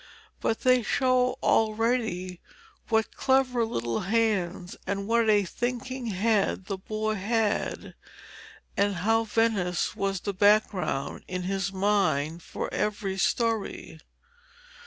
But they show already what clever little hands and what a thinking head the boy had, and how Venice was the background in his mind for every story.